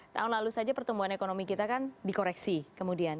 tahun lalu saja pertumbuhan ekonomi kita kan dikoreksi kemudian